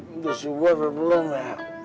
itu siua sebelumnya